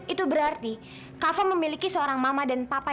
itu berarti kafan memiliki seorang mama dan papa